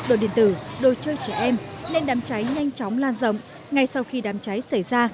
đồ điện tử đồ chơi trẻ em nên đám cháy nhanh chóng lan rộng ngay sau khi đám cháy xảy ra